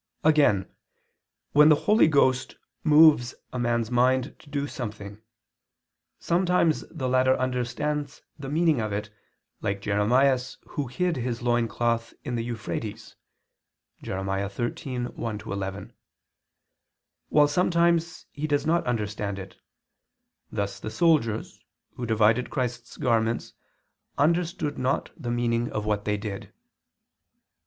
Again, when the Holy Ghost moves a man's mind to do something, sometimes the latter understands the meaning of it, like Jeremias who hid his loin cloth in the Euphrates (Jer. 13:1 11); while sometimes he does not understand it thus the soldiers, who divided Christ's garments, understood not the meaning of what they did.